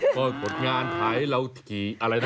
ก็ผลงานถ่ายเราถี่อะไรนะ